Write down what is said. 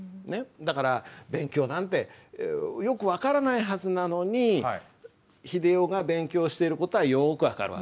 だから勉強なんてよく分からないはずなのに英世が勉強している事はよく分かる訳ですね。